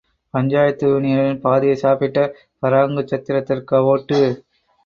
பஞ்சாயத்து யூனியனில் பாதியைச் சாப்பிட்ட பாராங்குசத்திற்கா வோட்டு?